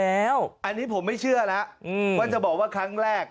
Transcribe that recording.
อันนี้ผมไม่เชื่อแล้วว่าจะบอกว่าครั้งแรก